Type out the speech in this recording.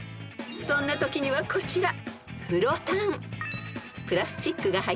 ［そんなときにはこちら］